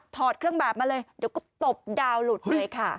ถอดเครื่องแบบมาเลยเดี๋ยวก็ตบดาวหลุดเลยค่ะ